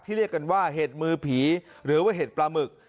เรียกกันว่าเห็ดมือผีหรือว่าเห็ดปลาหมึก